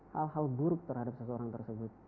hal hal buruk terhadap seseorang tersebut